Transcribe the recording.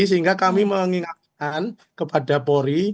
sehingga kami mengingatkan kepada polri